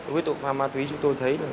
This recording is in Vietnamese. với tội phạm ma túy chúng tôi thấy